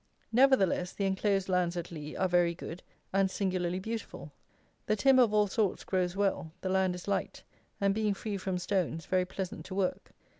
Nevertheless, the enclosed lands at Lea are very good and singularly beautiful. The timber of all sorts grows well; the land is light, and being free from stones, very pleasant to work.